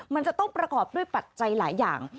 มันจะต้องประกอบด้วยปัจจัยหลายอย่าง